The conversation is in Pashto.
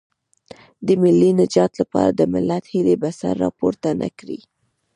د ملي نجات لپاره د ملت هیلې به سر راپورته نه کړي.